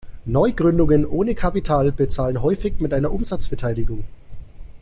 Neugründungen ohne Kapital bezahlen häufig mit einer Umsatzbeteiligung.